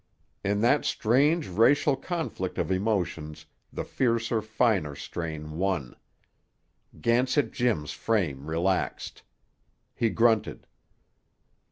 In that strange racial conflict of emotions the fiercer finer strain won. Gansett Jim's frame relaxed. He grunted.